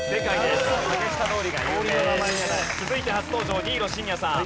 続いて初登場新納慎也さん。